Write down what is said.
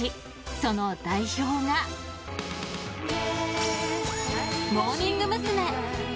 その代表が、モーニング娘。